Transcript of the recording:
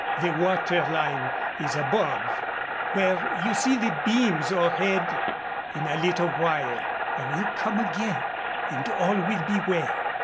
The water line is above, where you see the beams o'erhead. In a little while I will come again, and all will be well."